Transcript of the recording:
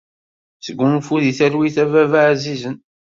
Sgunfu deg talwit a baba ɛzizen!